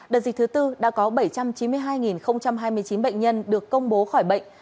đợt dịch thứ tư đã có bảy trăm chín mươi hai hai mươi chín bệnh nhân được công bố khỏi bệnh